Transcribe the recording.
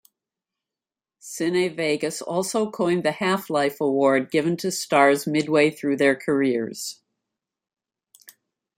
CineVegas also coined the Half-Life Award given to stars midway through their careers.